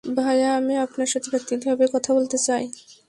ভাইয়া, আমি আপনার সাথে ব্যক্তিগতভাবে কথা বলতে চাই।